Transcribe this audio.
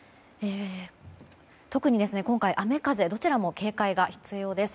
特に今回、雨風どちらも警戒が必要です。